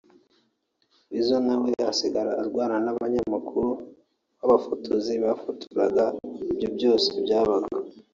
Weasel na we asigara arwana n’abanyamakuru b’abafotozi bafotoraga ibyo byose byabaga